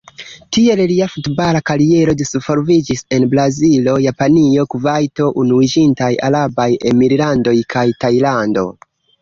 Tiel lia futbala kariero disvolviĝis en Brazilo, Japanio, Kuvajto, Unuiĝintaj Arabaj Emirlandoj kaj Tajlando.